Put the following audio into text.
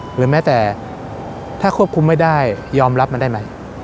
หรือแม้แต่ถ้าควบคุมไม่ได้ยอมรับมันได้ไหม